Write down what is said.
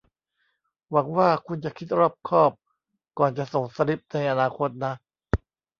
หวังว่าคุณจะคิดรอบคอบก่อนจะส่งสลิปในอนาคตนะ